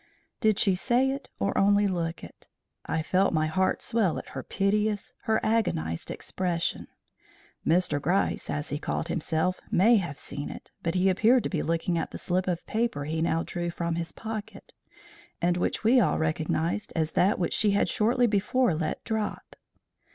Did she say it or only look it? I felt my heart swell at her piteous, her agonised expression. Mr. Gryce, as he called himself, may have seen it, but he appeared to be looking at the slip of paper he now drew from his pocket, and which we all recognised as that which she had shortly before let drop.